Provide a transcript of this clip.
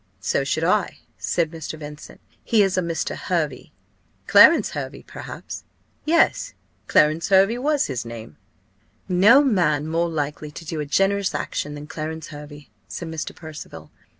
"So should I," said Mr. Vincent: "he is a Mr. Hervey." "Clarence Hervey, perhaps?" "Yes, Clarence was his name." "No man more likely to do a generous action than Clarence Hervey," said Mr. Percival.